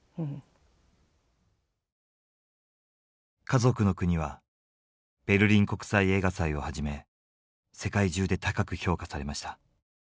「かぞくのくに」はベルリン国際映画祭をはじめ世界中で高く評価されました。